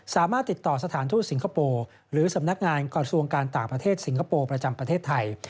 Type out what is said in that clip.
สามารถติดต่อสถานทูตสิงคโปร์หรือสำนักงานกระทรวงการต่างประเทศสิงคโปร์ประจำประเทศไทย